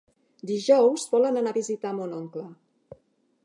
Dijous volen anar a visitar mon oncle.